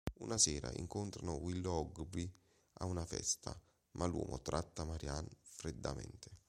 Una sera, incontrano Willoughby a una festa, ma l'uomo tratta Marianne freddamente.